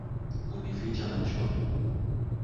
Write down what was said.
Hunificha mafichoni,